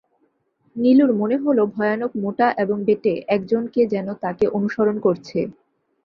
নীলুর মনে হলো, ভয়ানক মোটা এবং বেঁটে একজন কে যেন তাকে অনূসরণ করছে।